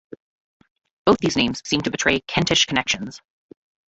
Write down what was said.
Both these names seem to betray Kentish connections.